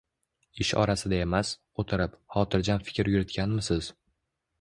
Ish orasida emas, o‘tirib, xotirjam fikr yuritganmisiz